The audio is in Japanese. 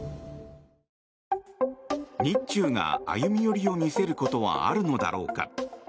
日中が歩み寄りを見せることはあるのだろうか。